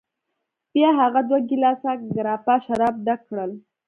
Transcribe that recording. بیا هغه دوه ګیلاسه ګراپا شراب ډک کړل.